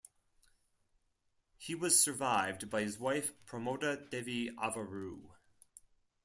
He was survived by his wife Pramoda Devi Avaru.